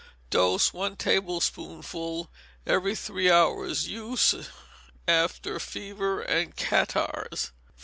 Dose, one tablespoonful every three hours. Use after fevers and catarrhs.